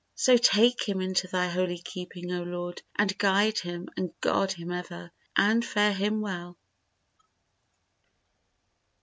So take him into thy holy keeping, O Lord, And guide him and guard him ever, and fare him well!